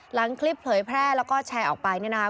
หลังคลิปเผยแพร่แล้วก็แชร์ออกไปเนี่ยนะคะ